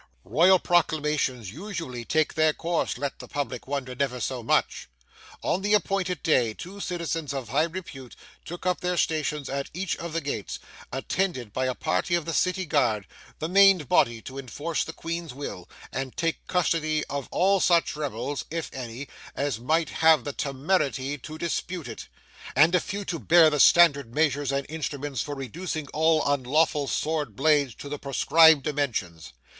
Royal Proclamations usually take their course, let the public wonder never so much. On the appointed day two citizens of high repute took up their stations at each of the gates, attended by a party of the city guard, the main body to enforce the Queen's will, and take custody of all such rebels (if any) as might have the temerity to dispute it: and a few to bear the standard measures and instruments for reducing all unlawful sword blades to the prescribed dimensions.